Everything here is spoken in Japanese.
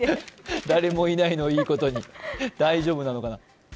誰もいないのをいいことに、大丈夫なのかな。